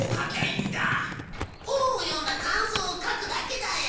本を読んだ感想を書くだけだよ。